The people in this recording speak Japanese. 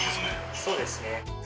そうですね。